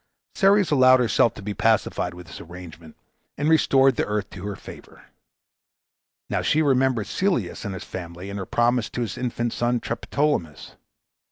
Ceres allowed herself to be pacified with this arrangement, and restored the earth to her favor. Now she remembered Celeus and his family, and her promise to his infant son Triptolemus.